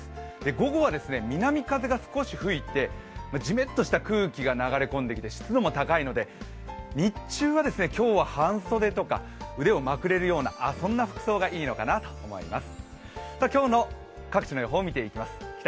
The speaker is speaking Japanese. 午後は南風が少し吹いてじめっとした空気が流れ込んで湿度も高いので、日中は今日は半袖とか、腕をまくれるような服装がいいのかなと思います。